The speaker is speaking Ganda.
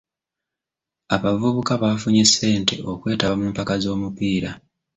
Abavubuka baafunye ssente okwetaba mu mpaka z'omupiira.